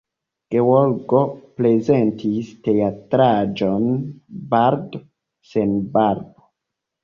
Georgo prezentis teatraĵon "Bardo sen Barbo".